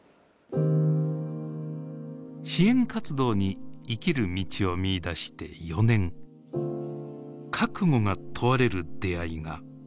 支援活動に生きる道を見いだして４年覚悟が問われる出会いがありました。